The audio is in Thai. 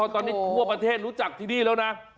ตอนนี้ทั่วประเทศรู้จักที่นี่แล้วนะ